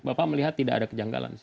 bapak melihat tidak ada kejanggalan